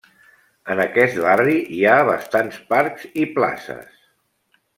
En aquest barri hi ha bastants parcs i places.